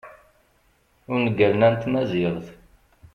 ungalen-a n tmaziɣt